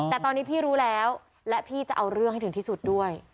แต่ตอนนี้พี่รู้แล้วและพี่จะเอาเรื่องให้ถึงที่สุดด้วย